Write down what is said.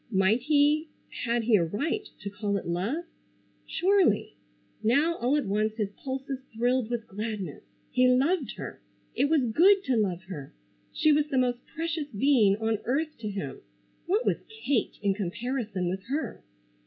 Might he, had he a right to call it love? Surely! Now all at once his pulses thrilled with gladness. He loved her! It was good to love her! She was the most precious being on earth to him. What was Kate in comparison with her?